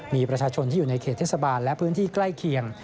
มีประชาชนที่อยู่ในเขตเทศบาลและพื้นที่ใกล้เคียง